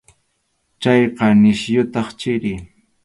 Chayqa nisyutaq chiri.